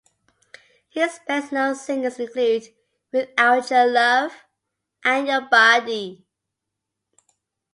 His best known singles include "Without Your Love" and "Your Body".